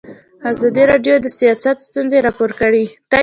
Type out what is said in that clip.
ازادي راډیو د سیاست ستونزې راپور کړي.